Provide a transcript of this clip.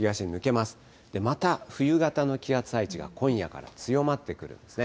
また冬型の気圧配置が今夜から強まってくるんですね。